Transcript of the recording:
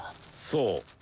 そう！